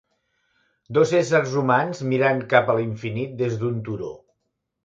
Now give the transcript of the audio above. Dos éssers humans mirant cap a l'infinit des d'un turó.